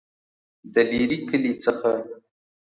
دلیري کلي څخه